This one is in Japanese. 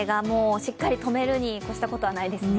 しっかりとめるに越したことはないですね。